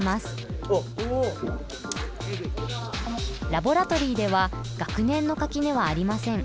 ラボラトリーでは学年の垣根はありません。